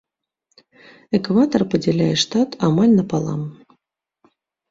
Экватар падзяляе штат амаль напалам.